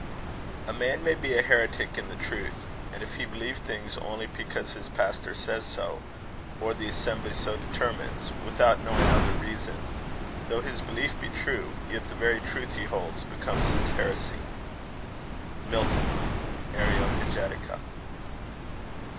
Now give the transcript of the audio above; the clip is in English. A man may be a heretic in the truth; and if he believe things only because his pastor says so, or the assembly so determines, without knowing other reason, though his belief be true, yet the very truth he holds becomes his heresy. MILTON. Areopagitica.